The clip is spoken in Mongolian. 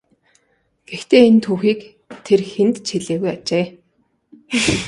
Гэхдээ энэ түүхийг тэр хэнд ч хэлээгүй ажээ.